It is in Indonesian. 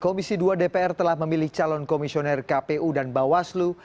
komisi dua dpr telah memilih calon komisioner kpu dan bawaslu